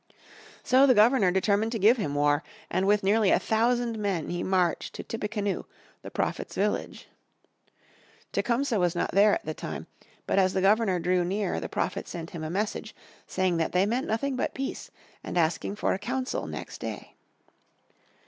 So the Governor determined to give him war, and with nearly a thousand men he marched to Tippecanoe, the Prophet's village. Tecumseh was not there at the time, but as the Governor drew near the Prophet sent him a message saying that they meant nothing but peace, and asking for a council next day.